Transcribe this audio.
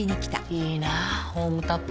いいなホームタップ。